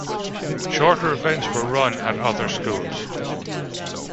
Shorter events were run at other schools.